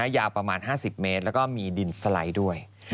ยาวประมาณ๕๐เมตรแล้วก็มีดินสไลด์ด้วย